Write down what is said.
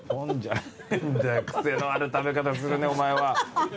癖のある食べ方するねお前は。